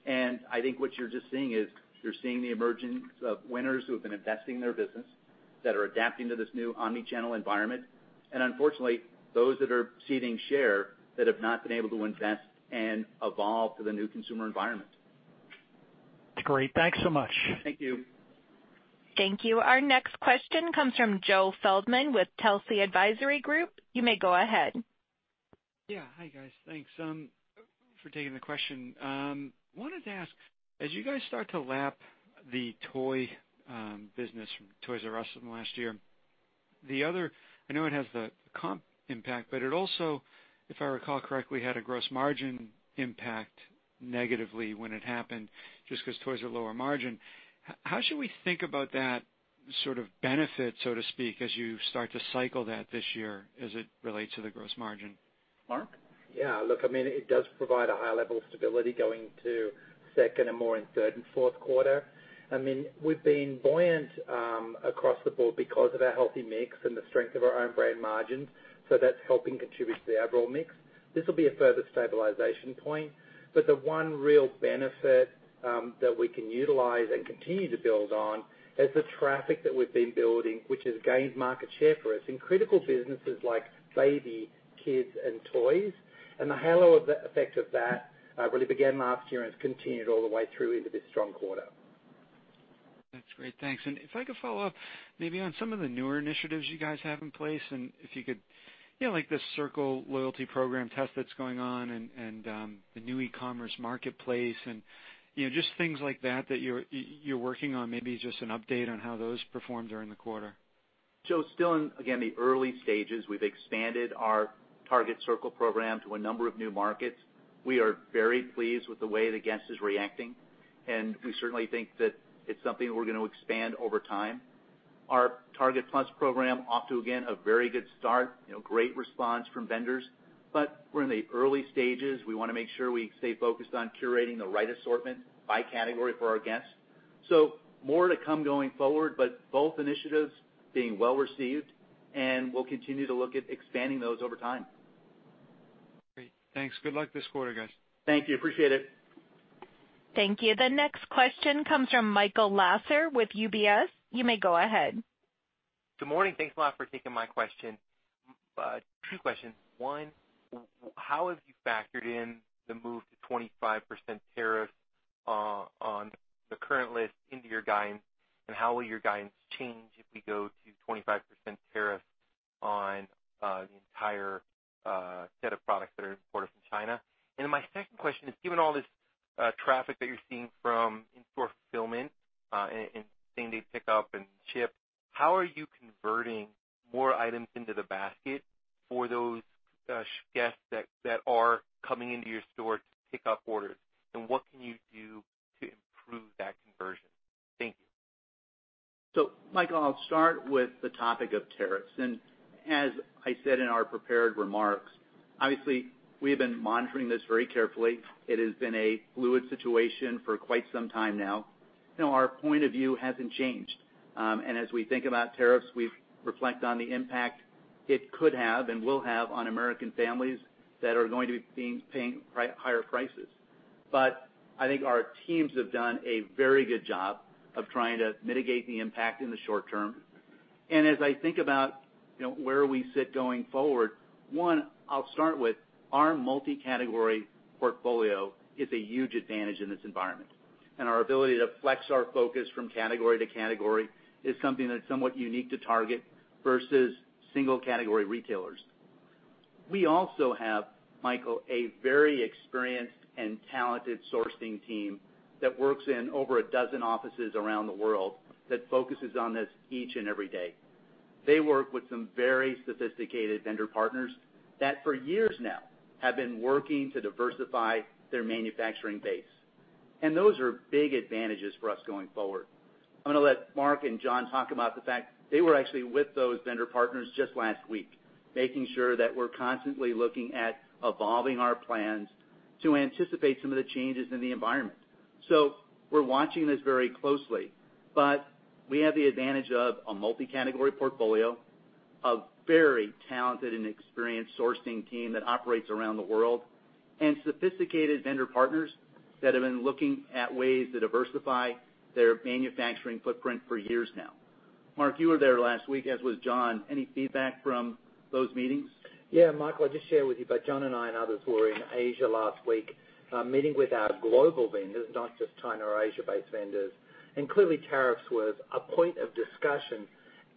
I think what you're just seeing is you're seeing the emergence of winners who have been investing their business, that are adapting to this new omnichannel environment. Unfortunately, those that are ceding share that have not been able to invest and evolve to the new consumer environment. That's great. Thanks so much. Thank you. Thank you. Our next question comes from Joe Feldman with Telsey Advisory Group. You may go ahead. Yeah. Hi, guys. Thanks for taking the question. Wanted to ask, as you guys start to lap the toy business from Toys "R" Us from last year, I know it has the comp impact, but it also, if I recall correctly, had a gross margin impact negatively when it happened, just because toys are lower margin. How should we think about that Sort of benefit, so to speak, as you start to cycle that this year as it relates to the gross margin. Mark? Yeah. Look, it does provide a high level of stability going to second and more in third and fourth quarter. We've been buoyant across the board because of our healthy mix and the strength of our own brand margins. That's helping contribute to the overall mix. This will be a further stabilization point. The one real benefit that we can utilize and continue to build on is the traffic that we've been building, which has gained market share for us in critical businesses like baby, kids, and toys. The halo effect of that really began last year and has continued all the way through into this strong quarter. That's great. Thanks. If I could follow up maybe on some of the newer initiatives you guys have in place, like the Target Circle loyalty program test that's going on and the new Target Plus marketplace and just things like that that you're working on. Maybe just an update on how those performed during the quarter. Joe, still in, again, the early stages. We've expanded our Target Circle program to a number of new markets. We are very pleased with the way the guest is reacting, we certainly think that it's something that we're going to expand over time. Our Target Plus program off to, again, a very good start. Great response from vendors, we're in the early stages. We want to make sure we stay focused on curating the right assortment by category for our guests. More to come going forward, but both initiatives being well-received, and we'll continue to look at expanding those over time. Great. Thanks. Good luck this quarter, guys. Thank you. Appreciate it. Thank you. The next question comes from Michael Lasser with UBS. You may go ahead. Good morning. Thanks a lot for taking my question. Two questions. One, how have you factored in the move to 25% tariffs on the current list into your guidance, and how will your guidance change if we go to 25% tariffs on the entire set of products that are imported from China? My second question is, given all this traffic that you're seeing from in-store fulfillment and same-day Order Pickup and Shipt, how are you converting more items into the basket for those guests that are coming into your store to pick up orders? And what can you do to improve that conversion? Thank you. Michael, I'll start with the topic of tariffs. As I said in our prepared remarks, obviously, we have been monitoring this very carefully. It has been a fluid situation for quite some time now. Our point of view hasn't changed. As we think about tariffs, we reflect on the impact it could have and will have on American families that are going to be paying higher prices. I think our teams have done a very good job of trying to mitigate the impact in the short term. As I think about where we sit going forward, one, I'll start with our multi-category portfolio is a huge advantage in this environment, and our ability to flex our focus from category to category is something that's somewhat unique to Target versus single category retailers. We also have, Michael, a very experienced and talented sourcing team that works in over a dozen offices around the world that focuses on this each and every day. They work with some very sophisticated vendor partners that for years now have been working to diversify their manufacturing base. Those are big advantages for us going forward. I'm going to let Mark and John talk about the fact they were actually with those vendor partners just last week, making sure that we're constantly looking at evolving our plans to anticipate some of the changes in the environment. We're watching this very closely, but we have the advantage of a multi-category portfolio, a very talented and experienced sourcing team that operates around the world, and sophisticated vendor partners that have been looking at ways to diversify their manufacturing footprint for years now. Mark, you were there last week, as was John. Any feedback from those meetings? Yeah, Michael, I'll just share with you. John and I, and others were in Asia last week meeting with our global vendors, not just China or Asia-based vendors. Clearly, tariffs was a point of discussion.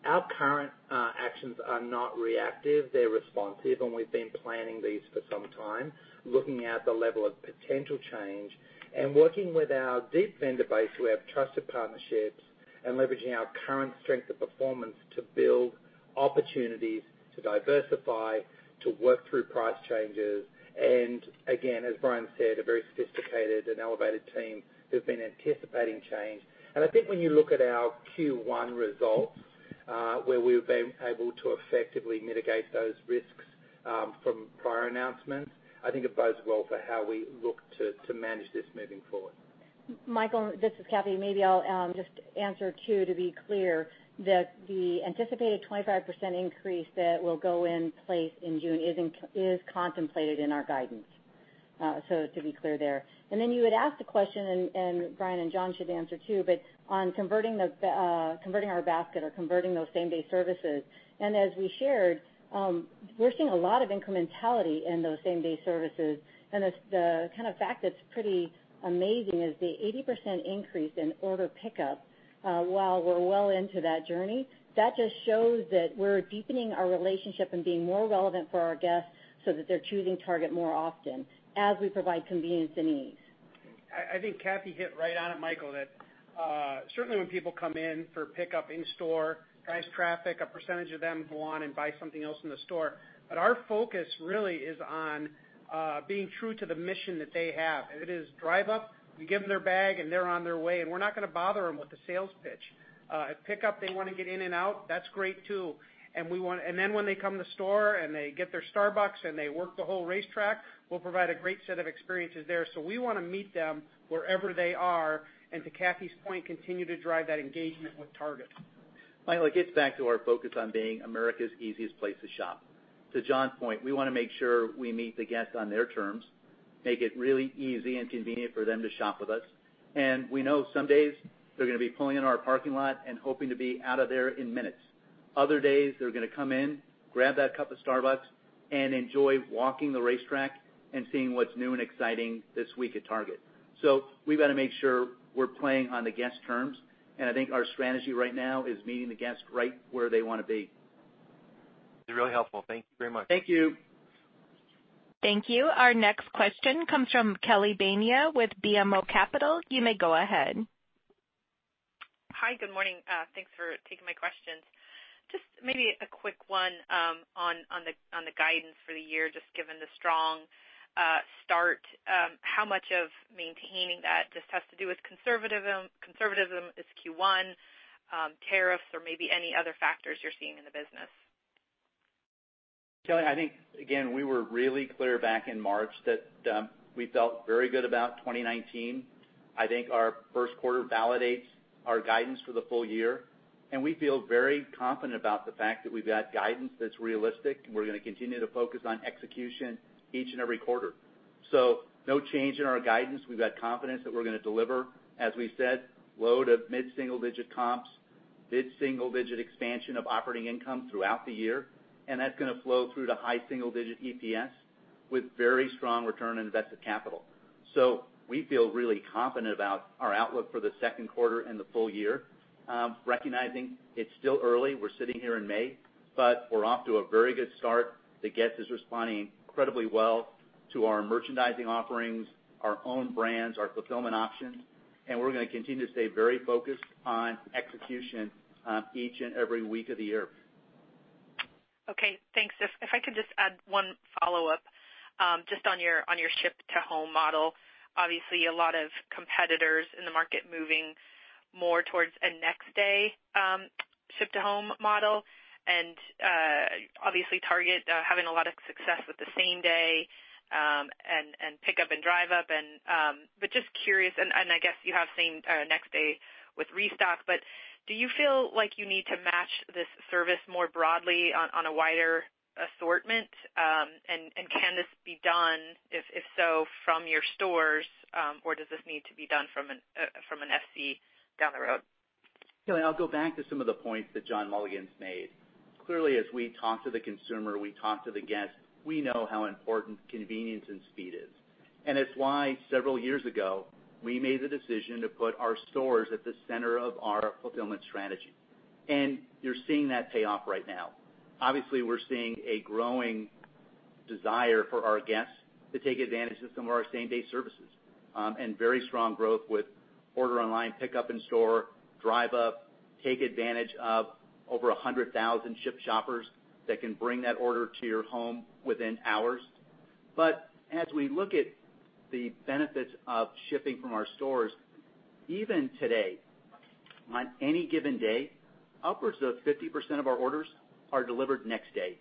Our current actions are not reactive, they're responsive, and we've been planning these for some time, looking at the level of potential change and working with our deep vendor base who have trusted partnerships and leveraging our current strength of performance to build opportunities to diversify, to work through price changes, and again, as Brian said, a very sophisticated and elevated team who've been anticipating change. I think when you look at our Q1 results, where we've been able to effectively mitigate those risks from prior announcements, I think it bodes well for how we look to manage this moving forward. Michael, this is Cathy. Maybe I'll just answer, too, to be clear that the anticipated 25% increase that will go in place in June is contemplated in our guidance. To be clear there. Then you had asked a question, and Brian and John should answer, too, but on converting our basket or converting those same-day services. As we shared, we're seeing a lot of incrementality in those same-day services. The fact that's pretty amazing is the 80% increase in Order Pickup, while we're well into that journey. That just shows that we're deepening our relationship and being more relevant for our guests so that they're choosing Target more often as we provide convenience and ease. I think Cathy hit right on it, Michael, that certainly when people come in for pickup in store, drives traffic, a percentage of them go on and buy something else in the store. Our focus really is on being true to the mission that they have. It is Drive Up, we give them their bag, and they're on their way, and we're not going to bother them with a sales pitch. At pickup, they want to get in and out. That's great, too. When they come to store and they get their Starbucks and they work the whole racetrack, we'll provide a great set of experiences there. We want to meet them wherever they are, and to Cathy's point, continue to drive that engagement with Target. Michael, it gets back to our focus on being America's easiest place to shop. To John's point, we want to make sure we meet the guest on their terms, make it really easy and convenient for them to shop with us. We know some days they're going to be pulling in our parking lot and hoping to be out of there in minutes. Other days, they're going to come in, grab that cup of Starbucks, and enjoy walking the racetrack and seeing what's new and exciting this week at Target. We've got to make sure we're playing on the guest's terms, and I think our strategy right now is meeting the guest right where they want to be. It's really helpful. Thank you very much. Thank you. Thank you. Our next question comes from Kelly Bania with BMO Capital. You may go ahead. Hi. Good morning. Thanks for taking my questions. Just maybe a quick one on the guidance for the year, just given the strong start. How much of maintaining that just has to do with conservatism as Q1, tariffs or maybe any other factors you're seeing in the business? Kelly, I think, again, we were really clear back in March that we felt very good about 2019. I think our first quarter validates our guidance for the full year, and we feel very confident about the fact that we've got guidance that's realistic, and we're going to continue to focus on execution each and every quarter. No change in our guidance. We've got confidence that we're going to deliver, as we said, low to mid-single-digit comps, mid-single-digit expansion of operating income throughout the year, and that's going to flow through to high single-digit EPS with very strong return on invested capital. We feel really confident about our outlook for the second quarter and the full year, recognizing it's still early. We're sitting here in May, but we're off to a very good start. The guest is responding incredibly well to our merchandising offerings, our own brands, our fulfillment options, and we're going to continue to stay very focused on execution each and every week of the year. Okay, thanks. If I could just add one follow-up, just on your ship-to-home model. Obviously, a lot of competitors in the market moving more towards a next-day ship-to-home model, and obviously Target having a lot of success with the same-day and Order Pickup and Drive Up. Just curious, and I guess you have same next day with Restock, but do you feel like you need to match this service more broadly on a wider assortment? Can this be done, if so, from your stores, or does this need to be done from an FC down the road? Kelly, I'll go back to some of the points that John Mulligan's made. As we talk to the consumer, we talk to the guest, we know how important convenience and speed is. It's why several years ago, we made the decision to put our stores at the center of our fulfillment strategy. You're seeing that pay off right now. We're seeing a growing desire for our guests to take advantage of some of our same-day services, and very strong growth with Order Pickup, Drive Up, take advantage of over 100,000 Shipt Shoppers that can bring that order to your home within hours. As we look at the benefits of shipping from our stores, even today, on any given day, upwards of 50% of our orders are delivered next day,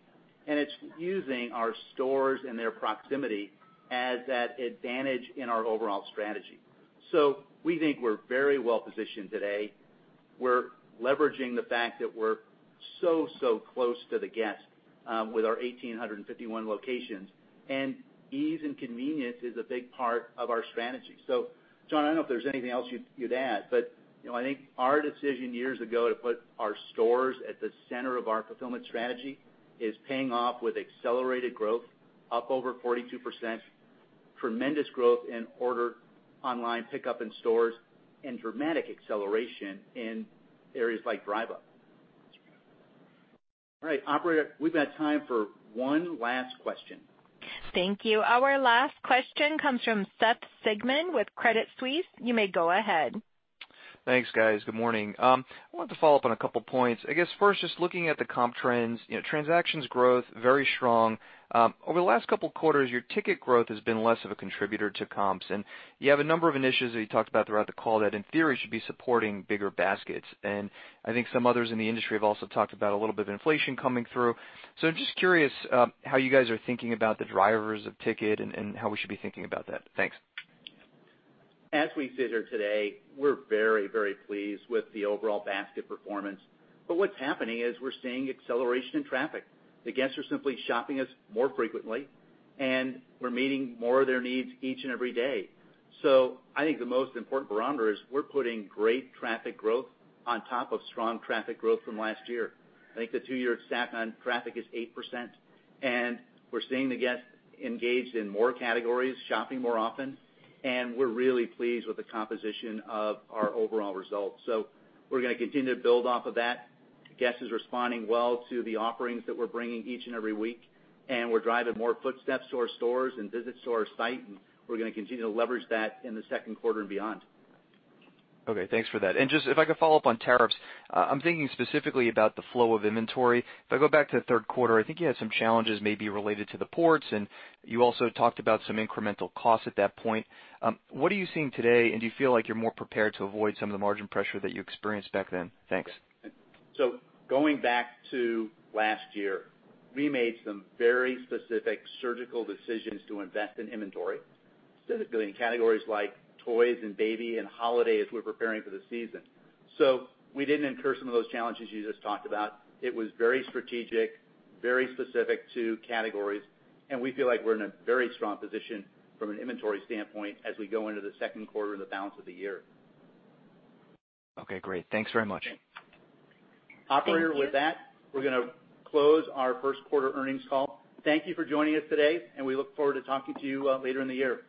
and it's using our stores and their proximity as that advantage in our overall strategy. We think we're very well-positioned today. We're leveraging the fact that we're so close to the guest with our 1,851 locations, and ease and convenience is a big part of our strategy. John, I don't know if there's anything else you'd add, but I think our decision years ago to put our stores at the center of our fulfillment strategy is paying off with accelerated growth up over 42%, tremendous growth in Order Pickup and dramatic acceleration in areas like Drive Up. All right, operator, we've got time for one last question. Thank you. Our last question comes from Seth Sigman with Credit Suisse. You may go ahead. Thanks, guys. Good morning. I wanted to follow up on a couple points. I guess first, just looking at the comp trends, transactions growth, very strong. Over the last couple quarters, your ticket growth has been less of a contributor to comps, and you have a number of initiatives that you talked about throughout the call that in theory should be supporting bigger baskets. I think some others in the industry have also talked about a little bit of inflation coming through. I'm just curious how you guys are thinking about the drivers of ticket and how we should be thinking about that. Thanks. As we sit here today, we're very pleased with the overall basket performance. What's happening is we're seeing acceleration in traffic. The guests are simply shopping us more frequently, and we're meeting more of their needs each and every day. I think the most important barometer is we're putting great traffic growth on top of strong traffic growth from last year. I think the two-year stack on traffic is 8%, and we're seeing the guest engaged in more categories, shopping more often, and we're really pleased with the composition of our overall results. We're going to continue to build off of that. Guest is responding well to the offerings that we're bringing each and every week, and we're driving more footsteps to our stores and visits to our site, and we're going to continue to leverage that in the second quarter and beyond. Okay, thanks for that. Just if I could follow up on tariffs. I'm thinking specifically about the flow of inventory. If I go back to the third quarter, I think you had some challenges maybe related to the ports, and you also talked about some incremental costs at that point. What are you seeing today, and do you feel like you're more prepared to avoid some of the margin pressure that you experienced back then? Thanks. Going back to last year, we made some very specific surgical decisions to invest in inventory, specifically in categories like toys and baby and holiday as we're preparing for the season. We didn't incur some of those challenges you just talked about. It was very strategic, very specific to categories, and we feel like we're in a very strong position from an inventory standpoint as we go into the second quarter and the balance of the year. Okay, great. Thanks very much. Thank you. Operator, with that, we're going to close our first quarter earnings call. Thank you for joining us today, and we look forward to talking to you later in the year.